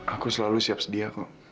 aku selalu siap sedia kok